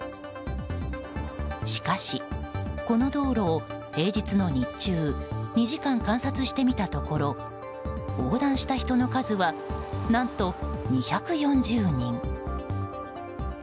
しかし、この道路を平日の日中２時間観察してみたところ横断した人の数は何と、２４０人。